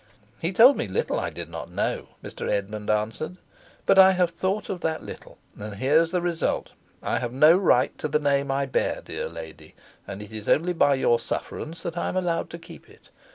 "He told me little I did not know," Mr. Esmond answered. "But I have thought of that little, and here's the result: I have no right to the name I bear, dear lady; and it is only by your sufferance that I am allowed to keep it.